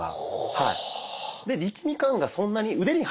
はい。